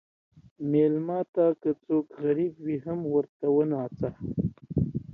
مېلمه ته که څوک غریب وي، هم ورته وناځه.